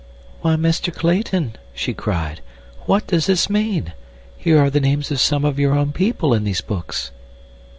"Why, Mr. Clayton," she cried, "what does this mean? Here are the names of some of your own people in these books."